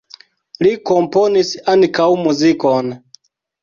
Li komponis ankaŭ muzikon.